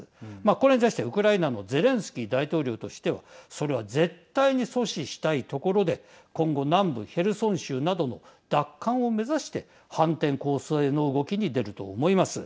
これに対して、ウクライナのゼレンスキー大統領としてはそれは絶対に阻止したいところで今後、南部ヘルソン州などの奪還を目指して反転攻勢の動きに出ると思います。